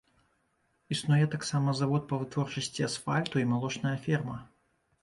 Існуе таксама завод па вытворчасці асфальту і малочная ферма.